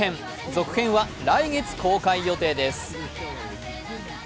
続編は来月公開予定です。